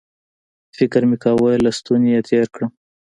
فکر مې کاوه له ستوني یې تېر کړم